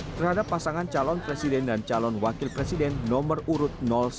terhadap pasangan calon presiden dan calon wakil presiden nomor urut satu